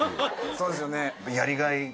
そうですよね。